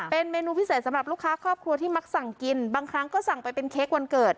เป็นเมนูพิเศษสำหรับลูกค้าครอบครัวที่มักสั่งกินบางครั้งก็สั่งไปเป็นเค้กวันเกิด